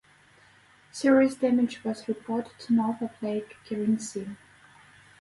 Serious damage was reported north of Lake Kerinci.